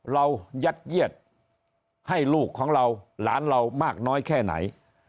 ยัดเยียดให้ลูกของเราหลานเรามากน้อยแค่ไหน